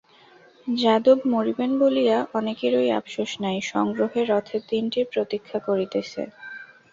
যাদব মরিবেন বলিয়া অনেকেরই আপসোস নাই, সংগ্রহে রথের দিনটির প্রতীক্ষা করিতেছে।